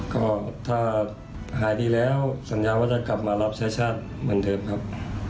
ก็ถ้าหายดีแล้วสัญญาว่าจะกลับมารับใช้ชาติเหมือนเดิมครับ